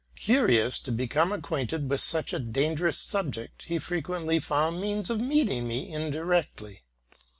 Curious to become acquainted with such a dangerous subject, he frequently found means of meeting me indirectly.